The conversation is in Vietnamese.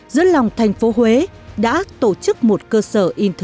giữa lòng thành phố huế đã tổ chức một cơ sở in thử bạc tài chính cụ hồ